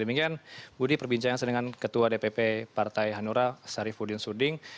demikian budi perbincangan saya dengan ketua dpp partai hanura sarifudin suding